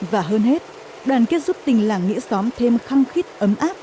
và hơn hết đoàn kết giúp tình làng nghĩa xóm thêm khăng khít ấm áp